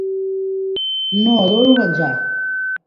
No adoro el menjar!